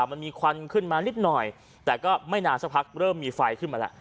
มันมีควันขึ้นมานิดหน่อยแต่ก็ไม่นานสักพักเริ่มมีไฟขึ้นมาแล้ว